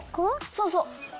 そうそう。